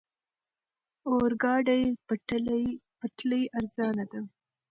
اورګاډي پټلۍ ارزانه ده.